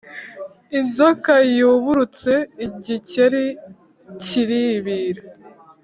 inzoka yuburutse igikeri kiribira.